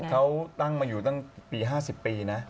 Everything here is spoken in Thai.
เขาตั้งมาอยู่ตั้งปี๕๐ปีนะ